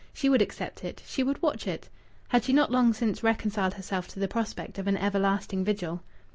She would accept it; she would watch it. Had she not long since reconciled herself to the prospect of an everlasting vigil?